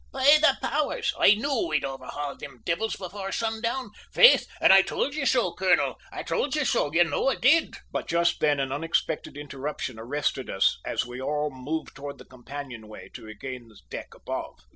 "Be the powers! I knew we'd overhaul them divvles before sundown! Faith, an' I tould ye so, colonel; I tould ye so, you know I did!" But just then an unexpected interruption arrested us as we all moved towards the companion way to regain the deck above.